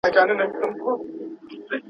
خرڅوم به یې شیدې مستې ارزاني ..